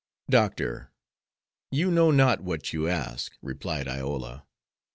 "Doctor, you know not what you ask," replied Iola.